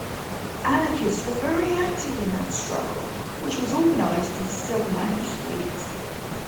Anarchists were very active in that struggle, which was organised into self-managed leagues.